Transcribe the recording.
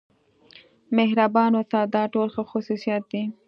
مهربان اوسه دا ټول ښه خصوصیات دي.